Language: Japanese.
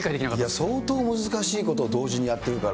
相当難しいこと同時にやってるから。